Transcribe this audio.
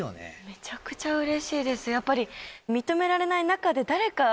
めちゃくちゃ嬉しいです